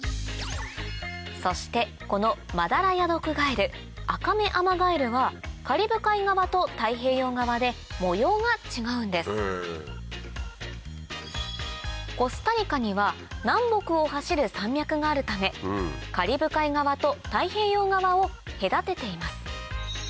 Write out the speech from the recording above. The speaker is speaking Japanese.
そしてこのマダラヤドクガエルアカメアマガエルはコスタリカには南北を走る山脈があるためカリブ海側と太平洋側を隔てています